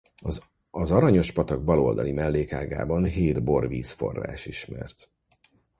Az Aranyos-patak bal oldali mellékágában hét borvízforrás ismert.